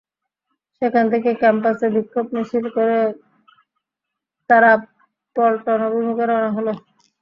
সেখান থেকে ক্যাম্পাসে বিক্ষোভ মিছিল করে তাঁরা পল্টন অভিমুখে রওনা হন।